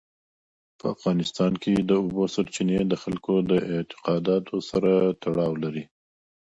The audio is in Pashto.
په افغانستان کې د اوبو سرچینې د خلکو د اعتقاداتو سره تړاو لري.